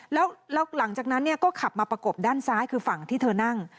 แล้วหลังจากนั้นก็ขับมาประกบด้านซ้ายคือฝั่งที่เธอนั่ง